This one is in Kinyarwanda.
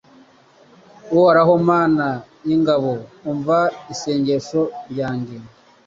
Uhoraho Mana y’ingabo umva isengesho ryanjye